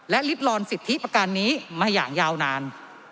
ลิดลอนสิทธิประการนี้มาอย่างยาวนาน